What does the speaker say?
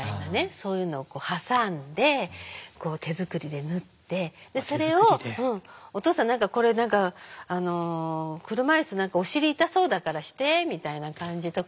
そういうのを挟んで手作りで縫ってでそれを「お父さん何かこれ車椅子お尻痛そうだからして」みたいな感じとかで。